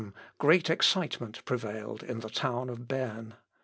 ] In 1507 great excitement prevailed in the town of Berne.